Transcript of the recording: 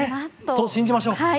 そう信じましょう。